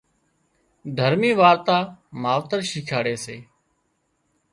دهرمي وارتا ماوتر شيکاڙي سي